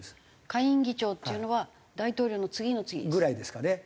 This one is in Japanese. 下院議長っていうのは大統領の次の次？ぐらいですかね。